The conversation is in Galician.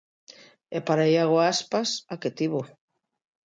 E para Iago Aspas, a que tivo.